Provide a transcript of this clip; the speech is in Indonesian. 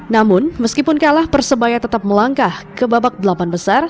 namun meskipun kalah persebaya tetap melangkah ke babak delapan besar